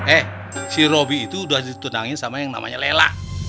eh si robi itu udah ditunangin sama yang namanya lela